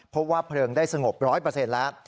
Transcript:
พบว่าเพลิงได้สงบ๑๐๐แล้ว